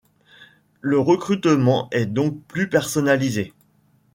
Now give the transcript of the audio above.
Le recrutement est donc plus personnalisé.